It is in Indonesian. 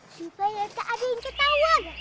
supaya tak ada yang ketahuan